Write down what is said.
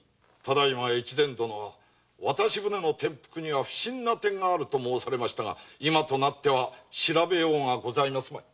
大岡殿は渡し舟の転覆には不審の点ありと申されましたが今となっては調べようがございますまい。